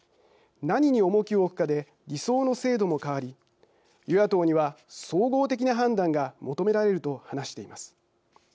何に重きを置くかで理想の制度も変わり与野党には総合的な判断が求められる」と話しています。